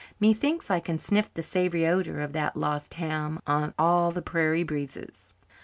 Methinks I can sniff the savoury odour of that lost ham on all the prairie breezes."